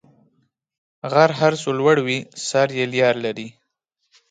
غر هر څو لوړ وي، سر یې لېر لري.